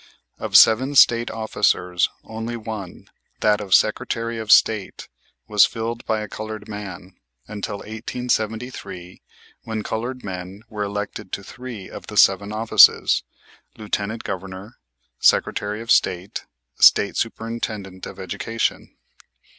Of seven State officers only one, that of Secretary of State, was filled by a colored man, until 1873, when colored men were elected to three of the seven offices, Lieutenant Governor, Secretary of State, and State Superintendent of Education.